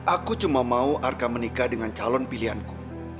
aku cuma mau arka menikah dengan calon pilihanku